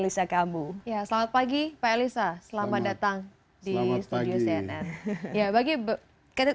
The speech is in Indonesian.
selamat pagi pak elisa selamat datang di studio cnn